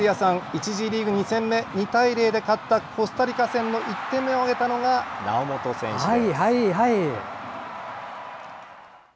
グループステージ２戦目２対０で勝ったコスタリカ戦の１点目を挙げたのが猶本選手です。